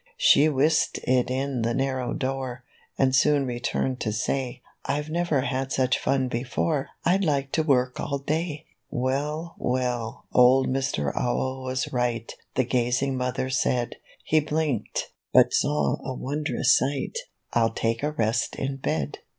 She whisked it in the narrow door, And soon returned to say, r "I never had such fun before; I'd like to work all day!" "Well, well, old Mr. Owl was right," The gazing Mother said; "He blinked, hut saw a wondrous sight; I'll take a rest in bed."